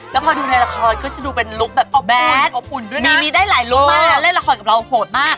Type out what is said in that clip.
แล้วพอว่าดูในละครก็ดูแบบแบตอะมีได้หลายลุกมากแล้วเล่นละครกับเราโหดมาก